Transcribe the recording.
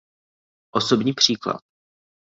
Osobní příklad.